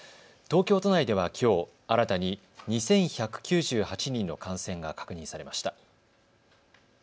東京都内ではきょう新たに２１９８人の感染が確認されました。